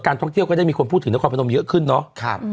การท่องเที่ยวก็ได้มีคนพูดถึงน้องค่อนประนมเยอะขึ้นเนาะ